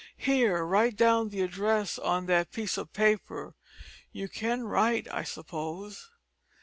"Here, write down the address on that piece of paper you can write, I suppose?"